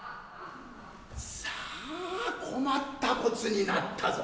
さあ困った事になったぞ。